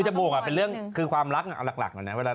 จมูกอะเป็นเรื่องความรักหลักเลยนะ